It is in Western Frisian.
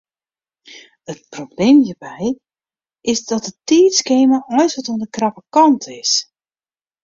It probleem hjirby is dat it tiidskema eins wat oan de krappe kant is.